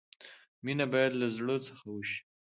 مینه باید لۀ زړۀ څخه وشي.